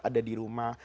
ada di rumah